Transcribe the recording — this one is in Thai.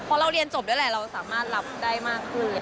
พอเราเรียนจบด้วยเราสามารถรับได้มากคือ